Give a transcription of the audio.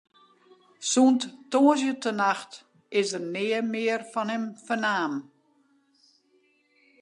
Sûnt tongersdeitenacht is neat mear fan him fernaam.